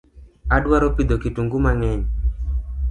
Adwaro pidho kitungu mangeny